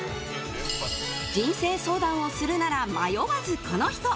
人生相談をするなら迷わずこの人！